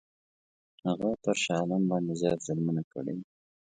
هغه پر شاه عالم باندي زیات ظلمونه کړي وه.